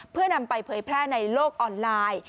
เพื่อนำไปเผยแพร่ในโลกออนไลน์